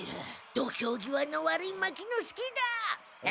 土俵際の悪い牧之介だ。え？